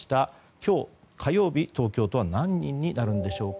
今日火曜日、東京都は何人になるんでしょうか。